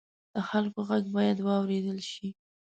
د خلکو غږ باید واورېدل شي.